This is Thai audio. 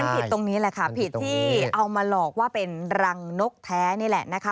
ผิดตรงนี้แหละค่ะผิดที่เอามาหลอกว่าเป็นรังนกแท้นี่แหละนะคะ